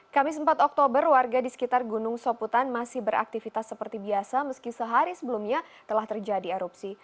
kamis empat oktober warga di sekitar gunung soputan masih beraktivitas seperti biasa meski sehari sebelumnya telah terjadi erupsi